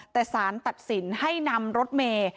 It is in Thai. แต่สารตัดสินให้นำรถเมย์